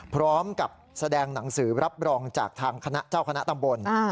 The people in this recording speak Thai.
พร้อมกับแสดงหนังสือรับรองจากทางคณะเจ้าคณะตำบล